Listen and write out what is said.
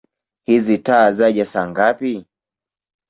Hizi taa zaja saa ngapi?